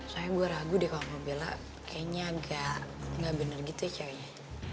soalnya gue ragu deh kalau mau bela kayaknya agak nggak bener gitu ya ceweknya